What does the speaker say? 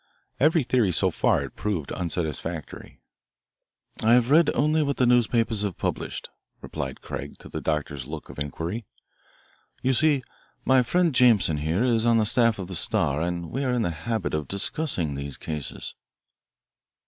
Every theory, so far, had proved unsatisfactory. "I have read only what the newspapers have published," replied Craig to the doctor's look of inquiry. "You see, my friend Jameson here is on the staff of the Star, and we are in the habit of discussing these cases."